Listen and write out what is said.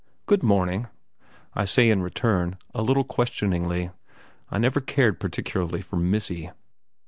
"Good morning!" I say in return, a little questioningly. I never cared particularly for "Missy."